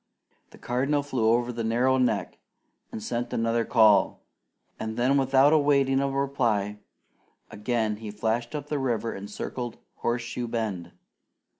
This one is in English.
The Cardinal flew over the narrow neck and sent another call, then without awaiting a reply, again he flashed up the river and circled Horseshoe Bend.